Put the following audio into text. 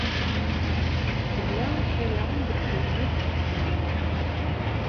Tella tala deg tlemmast n temdint.